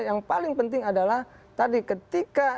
yang paling penting adalah tadi ketika